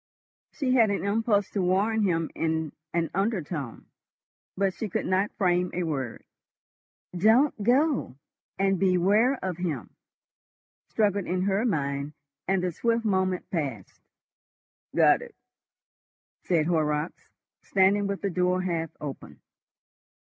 She had an impulse to warn him in an undertone, but she could not frame a word. "Don't go!" and "Beware of him!" struggled in her mind, and the swift moment passed. "Got it?" said Horrocks, standing with the door half open.